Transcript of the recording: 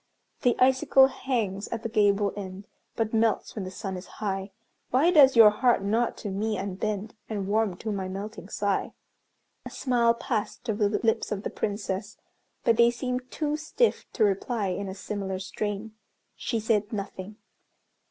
The icicle hangs at the gable end, But melts when the sun is high, Why does your heart not to me unbend, And warm to my melting sigh." A smile passed over the lips of the Princess, but they seemed too stiff to reply in a similar strain. She said nothing.